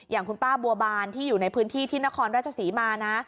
อย่างคุณป้าบัวบานที่อยู่ในพื้นที่ที่นครราชศรีมานะ